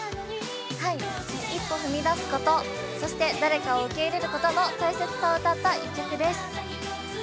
一歩踏み出すこと、誰かを受け入れることの大切さを歌った１曲です。